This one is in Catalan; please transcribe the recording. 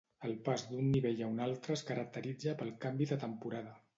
El pas d'un nivell a un altre es caracteritza pel canvi de temporada.